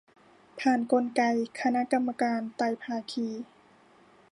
ผ่านกลไกคณะกรรมการไตรภาคี